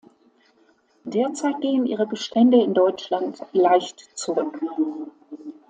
Derzeit gehen ihre Bestände in Deutschland leicht zurück.